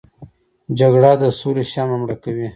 جګړه د سولې شمعه مړه کوي